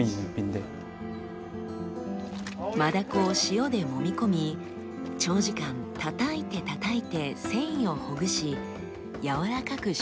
マダコを塩で揉み込み長時間たたいてたたいて繊維をほぐしやわらかく仕込みます。